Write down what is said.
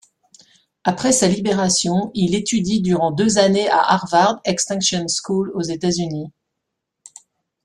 Après sa libération, il étudie durant deux années à Harvard Extension School aux États-Unis.